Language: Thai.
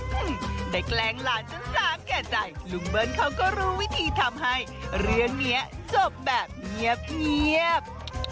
ได้แกล้งหลานจนสาแก่ใจลุงเบิ้ลเขาก็รู้วิธีทำให้เรื่องนี้จบแบบเงียบ